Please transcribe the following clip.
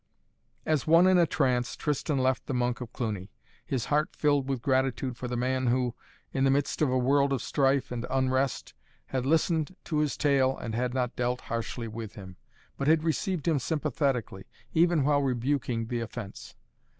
As one in a trance Tristan left the Monk of Cluny, his heart filled with gratitude for the man who, in the midst of a world of strife and unrest, had listened to his tale and had not dealt harshly with him, but had received him sympathetically, even while rebuking the offence.